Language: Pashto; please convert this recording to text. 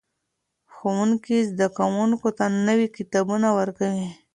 ښوونکي زده کوونکو ته نوي کتابونه ورکوي.